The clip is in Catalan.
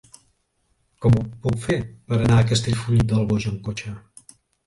Com ho puc fer per anar a Castellfollit del Boix amb cotxe?